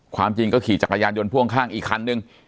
ความจริงก็ขี่จักรยานยนต์พ่วงข้างอีกคันนึง